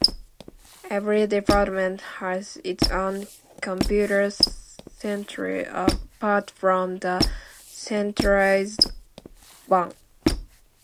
Every department has its own computer centre apart from the centralised one.